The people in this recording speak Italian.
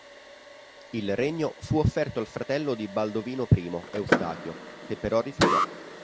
Il regno fu offerto al fratello di Baldovino I, Eustachio, che però rifiutò.